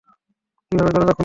কিভাবে দরজা খুলব?